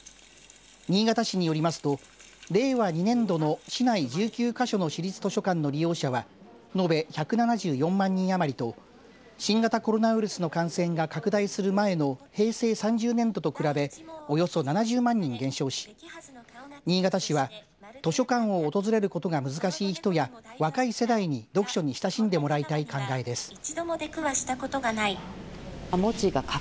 新潟市によりますと令和２年度の市内１９か所の市立図書館の利用者は延べ１７４万人余りと新型コロナウイルスの感染が拡大する前の平成３０年度と比べおよそ７０万人減少し新潟市は図書館を訪れることが難しい人や若い世代に読書に親しんでもらいたい考えです。